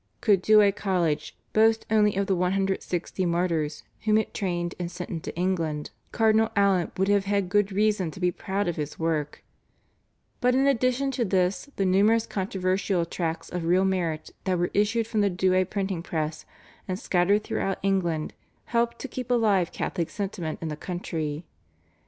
Could Douay College boast only of the 160 martyrs whom it trained and sent into England Cardinal Allen would have had good reason to be proud of his work, but in addition to this the numerous controversial tracts of real merit that were issued from the Douay printing press, and scattered throughout England, helped to keep alive Catholic sentiment in the country.